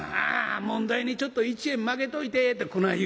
紋代にちょっと１円まけといて』ってこない